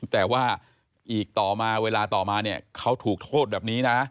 แต่ว่าอีกต่อมาเวลาต่อมาเนี่ยเขาถูกโทษแบบนี้นะ